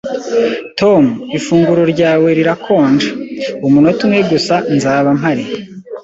"Tom, ifunguro ryawe rirakonja." "Umunota umwe gusa. Nzaba mpari."